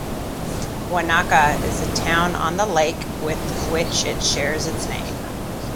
Wanaka is a town on the lake with which it shares its name.